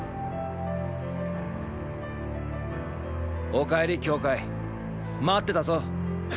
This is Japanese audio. おかえり羌待ってたぞ。